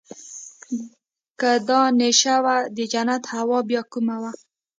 که دا نېشه وه د جنت هوا بيا کومه وه.